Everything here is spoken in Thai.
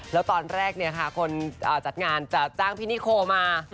แล้วตอนแรกคนจัดงานจะจ้างพี่นิโคมา